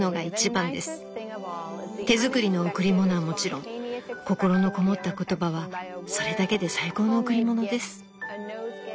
手作りの贈り物はもちろん心のこもった言葉はそれだけで最高の贈り物です。